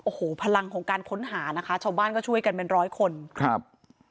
โอ้โหพลังของการค้นหานะคะชาวบ้านก็ช่วยกันเป็นร้อยคนครับ